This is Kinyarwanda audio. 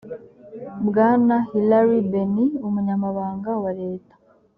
bwana hilary benny umunyamabanga wa leta